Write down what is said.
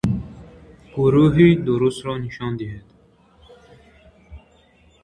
Гурӯҳи дурустро нишон диҳед.